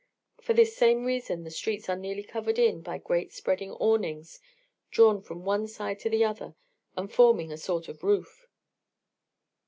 For this same reason the streets are nearly covered in by great spreading awnings drawn from one side to the other and forming a sort of roof.